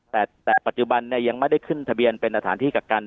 แต่ปัจจุบันยังไม่ได้ขึ้นทะเบียนเป็นสถานที่กักกัน